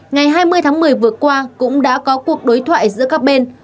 ngày hai mươi tháng một mươi vừa qua cũng đã có cuộc đối thoại giữa các bên